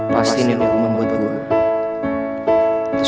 pasti ini yang gue membutuhkan